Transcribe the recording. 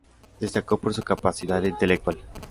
Destacó por su capacidad intelectual.